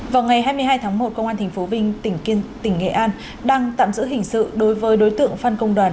vào ngày hai mươi hai tháng một công an tp vinh tỉnh nghệ an đang tạm giữ hình sự đối với đối tượng phan công đoàn